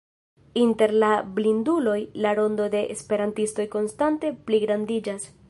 Inter la blinduloj, la rondo de esperantistoj konstante pligrandiĝas.